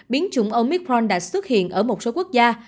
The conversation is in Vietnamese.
biến chủng omitpron đã xuất hiện ở một số quốc gia